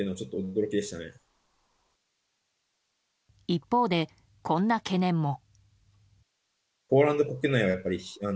一方で、こんな懸念も。